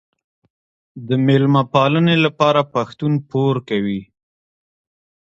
د میلمه پالنې لپاره پښتون پور کوي.